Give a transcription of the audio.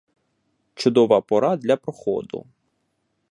Чудова пора для проходу.